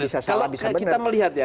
kalau kita melihat ya